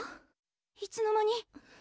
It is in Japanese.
いつの間に。